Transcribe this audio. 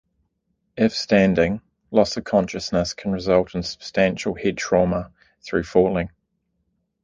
If standing, loss of consciousness can result in substantial head trauma through falling.